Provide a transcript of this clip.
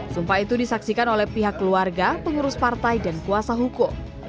sumpah itu disaksikan oleh pihak keluarga pengurus partai dan kuasa hukum